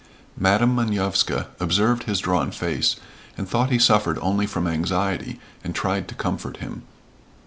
Madam Manovska observed his drawn face, and thought he suffered only from anxiety and tried to comfort him.